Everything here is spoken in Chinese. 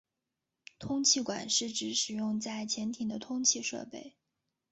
通气管是指使用在潜艇的通气设备。